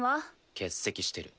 欠席してる。